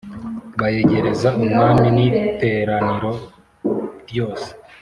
bayegereza umwami n iteraniro ryose